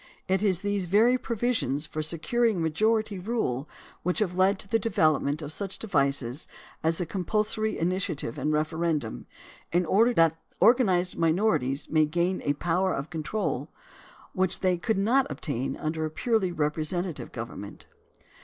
It is these very provisions for securing majority rule which have led to the development of such devices as the compulsory initiative and referendum in order that organized minorities may gain a power of control which they could not obtain under a purely representative government.